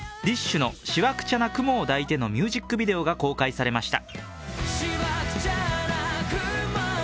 ＤＩＳＨ／／の「しわくちゃな雲を抱いて」のミュージックビデオが公開されました。